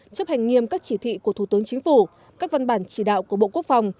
chấp hành nghiêm các chỉ thị của thủ tướng chính phủ các văn bản chỉ đạo của bộ quốc phòng